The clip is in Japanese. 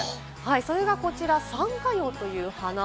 それがこちらサンカヨウという花。